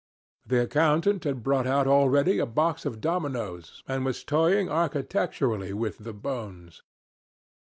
The Accountant had brought out already a box of dominoes, and was toying architecturally with the bones.